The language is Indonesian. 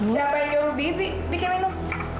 siapa yang nyuruh bibi bikin minum